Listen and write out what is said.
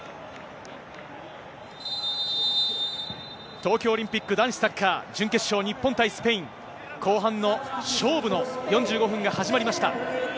東京オリンピック男子サッカー準決勝、日本対スペイン、後半の勝負の４５分が始まりました。